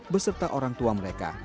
beserta orang tua mereka